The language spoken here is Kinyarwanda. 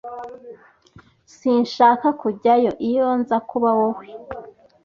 Sinshaka kujyayo iyo nza kuba wowe.